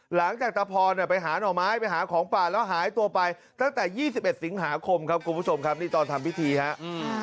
หลังจากตะพรเนี่ยไปหาหน่อไม้ไปหาของป่าแล้วหายตัวไปตั้งแต่๒๑สิงหาคมครับคุณผู้ชมครับนี่ตอนทำพิธีครับ